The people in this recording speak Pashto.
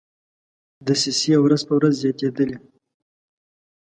دسیسې ورځ په ورځ زیاتېدلې.